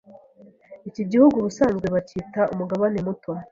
Iki gihugu ubusanzwe bacyita “umugabane muto